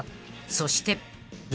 ［そして］